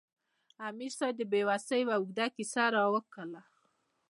امیر صېب د بې وسۍ یوه اوږده ساه راښکله